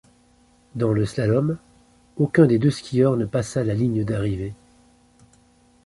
Dans le slalom, aucun des deux skieurs ne passa la ligne d'arrivée.